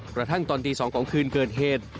ประทั้งตอนตีสองของคืนเกินเหตุ